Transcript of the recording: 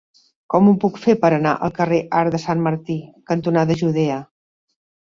Com ho puc fer per anar al carrer Arc de Sant Martí cantonada Judea?